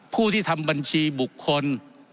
ผู้ที่ทำบัญชีบุคคล